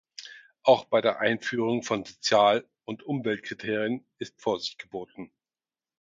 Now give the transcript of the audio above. Auch bei der Einführung von Sozial- und Umweltkriterien ist Vorsicht geboten.